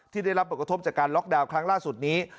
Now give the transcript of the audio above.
ที่ได้รับผลกระทบจากการล็อกดาวน์ครั้งล่าสุดนี้